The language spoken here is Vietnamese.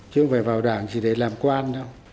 chứ không phải vào đảng chỉ để làm quan đâu